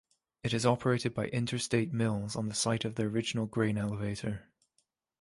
It is operated by Interstate Mills on the site of the original grain elevator.